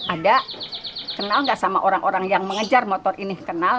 ada kenal nggak sama orang orang yang mengejar motor ini kenal